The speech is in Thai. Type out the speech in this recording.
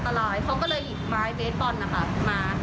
คราวนี้พอเหมือนแบบว่ามันเห็นว่าลูกค้า